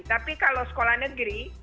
tapi kalau sekolah negeri